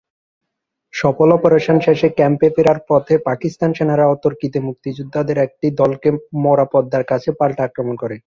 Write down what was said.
সফল অপারেশন শেষে ক্যাম্পে ফেরার পথে পাকিস্তান সেনারা অতর্কিতে মুক্তিযোদ্ধাদের একটি দলকে মরা পদ্মার কাছে পাল্টা আক্রমণ করে।